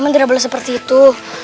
tidak boleh seperti itu